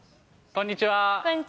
こんにちは。